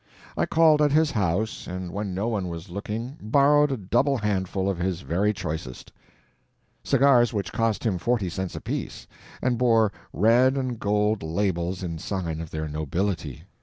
I called at his house and when no one was looking borrowed a double handful of his very choicest; cigars which cost him forty cents apiece and bore red and gold labels in sign of their nobility.